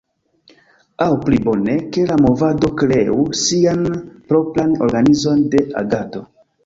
Aŭ pli bone, ke la movado kreu sian propran organizon de agado.